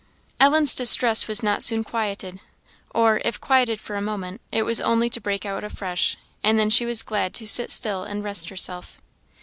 Ellen's distress was not soon quieted, or, if quieted for a moment, it was only to break out afresh. And then she was glad to sit still and rest herself.